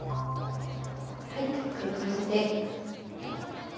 はいこういう感じで。